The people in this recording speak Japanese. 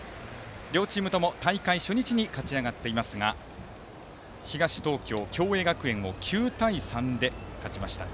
両チームとも大会初日に勝ち上がっていますが東東京・共栄学園を９対３で勝ちました。